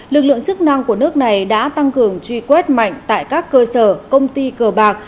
lực lượng chức năng của nước này đã tăng cường truy quét mạnh tại các cơ sở công ty cờ bạc